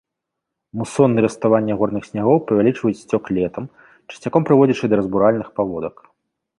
Мусоны і раставанне горных снягоў павялічваюць сцёк летам, часцяком прыводзячы да разбуральным паводак.